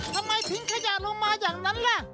ทำไมทิ้งขยะลงมาอย่างนั้นล่ะ